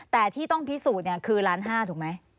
แต่ที่ต้องพิสูจน์เนี่ยคือ๑๕๐๐๐๐๐บาทถูกไหม